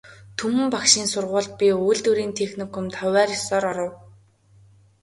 Түмэн багшийн сургуульд, би үйлдвэрийн техникумд хувиар ёсоор оров.